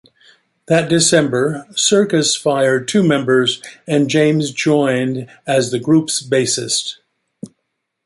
That December, Circus fired two members and James joined as the group's bassist.